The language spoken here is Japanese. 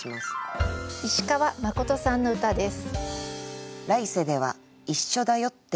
石川真琴さんの歌です。